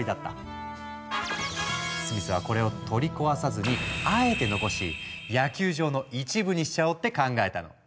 スミスはこれを取り壊さずにあえて残し野球場の一部にしちゃおうって考えたの。